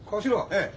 ええ。